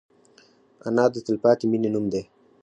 انا د تلپاتې مینې نوم دی